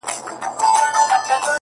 ه ژوند نه و. را تېر سومه له هر خواهیسه .